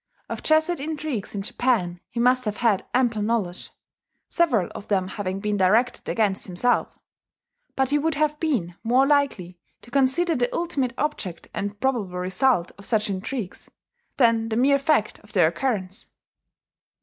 Of Jesuit intrigues in Japan he must have had ample knowledge several of them having been directed against himself; but he would have been more likely to consider the ultimate object and probable result of such intrigues, than the mere fact of their occurrence.